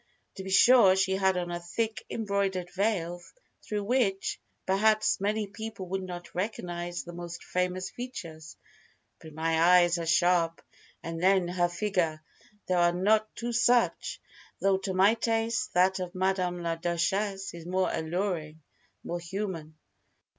To be sure, she had on a thick embroidered veil through which, perhaps, many people would not recognize the most famous features. But my eyes are sharp. And then, her figure! There are not two such. Though, to my taste, that of Madame la Duchesse is more alluring, more human.